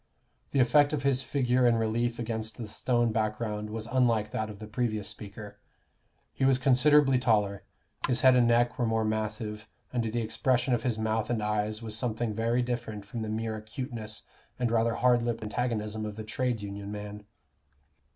The effect of his figure in relief against the stone background was unlike that of the previous speaker. He was considerably taller, his head and neck were more massive, and the expression of his mouth and eyes was something very different from the mere acuteness and rather hard lipped antagonism of the trades union man.